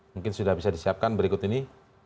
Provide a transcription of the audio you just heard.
mungkin sudah bisa disiapkan berikut ini